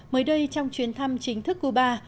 mới đây trong chuyến thăm chính thức cuba